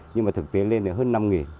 nhưng mà thực tế lên thì hơn năm nghìn